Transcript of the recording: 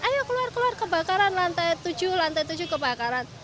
ayo keluar keluar kebakaran lantai tujuh lantai tujuh kebakaran